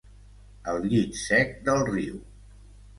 El llit sec del riu.